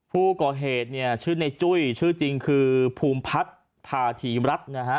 ผู้ก่อเหตุเนี่ยชื่อในจุ้ยชื่อจริงคือภูมิพัฒน์พาธีมรัฐนะฮะ